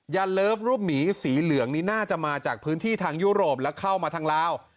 เลิฟรูปหมีสีเหลืองนี่น่าจะมาจากพื้นที่ทางยุโรปและเข้ามาทางลาว